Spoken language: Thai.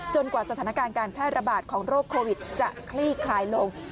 กว่าสถานการณ์การแพร่ระบาดของโรคโควิดจะคลี่คลายลง